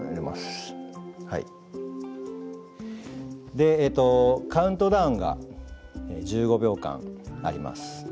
でカウントダウンが１５秒間あります。